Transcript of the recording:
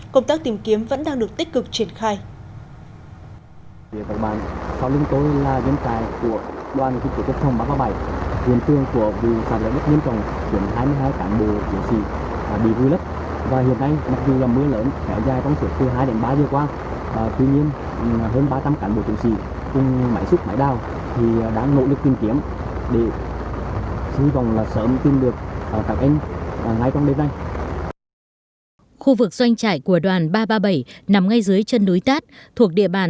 công tác tìm kiếm vẫn đang được tích cực triển khai